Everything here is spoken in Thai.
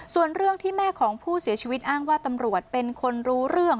ส่วนเรื่องที่แม่ของผู้เสียชีวิตอ้างว่าตำรวจเป็นคนรู้เรื่อง